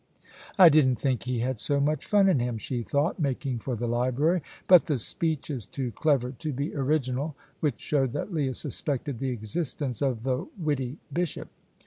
"I didn't think he had so much fun in him," she thought, making for the library; "but the speech is too clever to be original" which showed that Leah suspected the existence of the witty bishop.